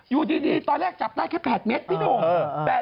อยู่ดีตอนแรกจับได้แค่๘เมตรพี่หนุ่ม